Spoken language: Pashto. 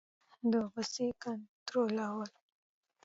د غصې کنټرول